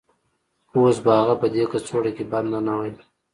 اوس به هغه په دې کڅوړه کې بنده نه وای